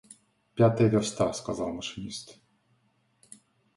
— Пятая верста, — сказал машинист.